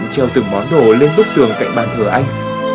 treo từng món đồ lên bức tường cạnh bàn thờ anh